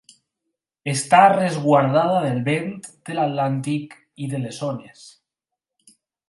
Està resguardada del vent de l'Atlàntic i de les ones.